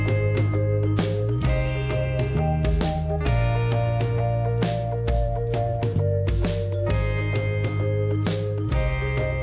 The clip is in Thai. โอ้โอ้โอ้โอ้